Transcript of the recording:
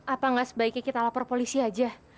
apa nggak sebaiknya kita lapor polisi aja